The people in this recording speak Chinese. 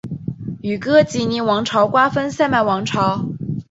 与哥疾宁王朝瓜分萨曼王朝。